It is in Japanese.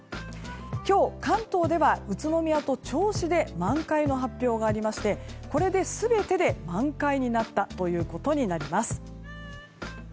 今日、関東では宇都宮と銚子で満開の発表がありましてこれで全てで満開になったということになります。